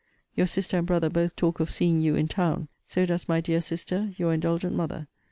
Your sister and brother both talk of seeing you in town; so does my dear sister, your indulgent mother.